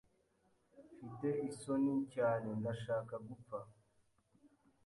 Mfite isoni cyane, ndashaka gupfa.